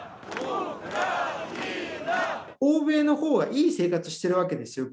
欧米のほうはいい生活してるわけですよ